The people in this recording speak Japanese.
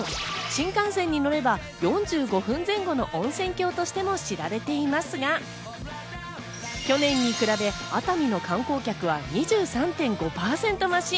新幹線に乗れば４５分前後の温泉郷としても知られていますが、去年に比べ熱海の観光客は２３．５％増し。